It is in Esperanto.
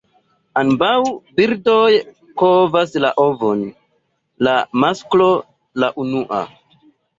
Ambaŭ birdoj kovas la ovon; la masklo la unua.